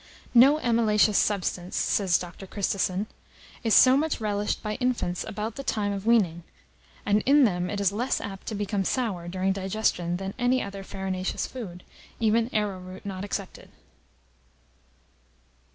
"No amylaceous substance," says Dr. Christison, "is so much relished by infants about the time of weaning; and in them it is less apt to become sour during digestion than any other farinaceous food, even arrowroot not excepted."